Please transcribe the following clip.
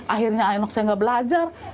akhirnya saya nggak belajar